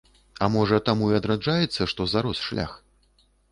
А можа, таму і адраджаецца, што зарос шлях?